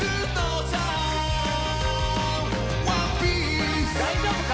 大丈夫か⁉